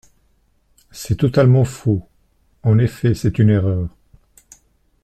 C’est totalement faux ! En effet, c’est une erreur.